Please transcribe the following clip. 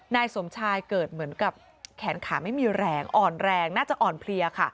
นายสมชายเกิดเหมือนกับแขนขาไม่มีแรงอ่อนแรงน่าจะอ่อนเพลียค่ะ